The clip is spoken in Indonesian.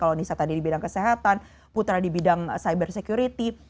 kalau nisa tadi di bidang kesehatan putra di bidang cyber security